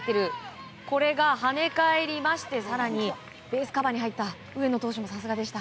跳ね返って更にベースカバーに入った上野投手もさすがでした。